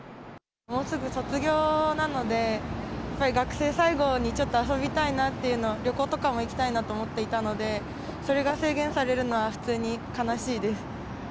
もうすぐ卒業なので、やっぱり学生最後にちょっと遊びたいなっていうの、旅行とかも行きたいなと思っていたので、それが制限されるのは普通に悲しいです。